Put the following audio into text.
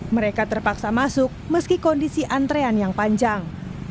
mereka terpaksa masuk meski kondisi antrean yang panjang